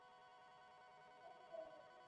مشوره کول څه ګټه لري؟